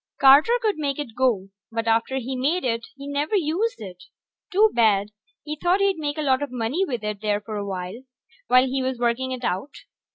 Carter could make it go, but after he made it he never used it. Too bad; he thought he'd make a lot of money with it there for awhile, while he was working it out.